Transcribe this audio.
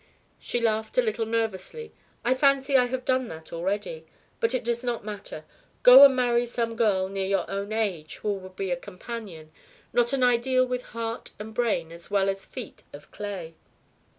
She laughed a little nervously. "I fancy I have done that already. But it does not matter. Go and marry some girl near your own age who will be a companion, not an ideal with heart and brain as well as feet of clay."